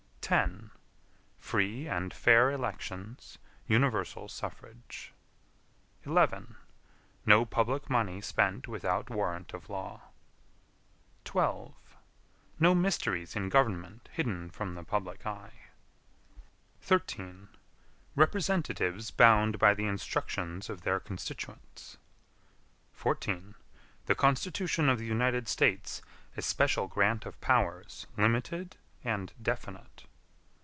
10. Free and fair elections; universal suffrage. 11. No public money spent without warrant of law. 12. No mysteries in government hidden from the public eye. 13. Representatives bound by the instructions of their constituents. 14. The Constitution of the United States a special grant of powers limited and definite.